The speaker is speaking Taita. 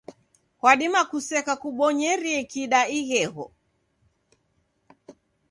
Kwadima kuseka kubonyerie kida ighegho.